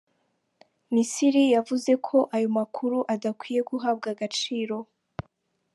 Misiri yavuze ko ayo amakuru adakwiye guhabwa agaciro.